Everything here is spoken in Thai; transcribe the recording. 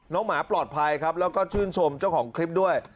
หมาปลอดภัยครับแล้วก็ชื่นชมเจ้าของคลิปด้วย